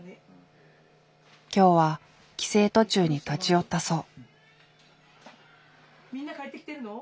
今日は帰省途中に立ち寄ったそう。